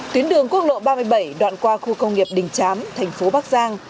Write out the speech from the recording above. tuyến đường quốc lộ ba mươi bảy đoạn qua khu công nghiệp đình chám thành phố bắc giang